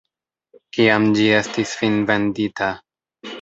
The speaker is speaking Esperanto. Kiam ĝi estis finvendita?